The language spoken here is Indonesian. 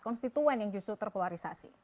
konstituen yang justru terpolarisasi